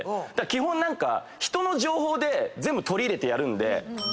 基本何か人の情報取り入れてやるんで。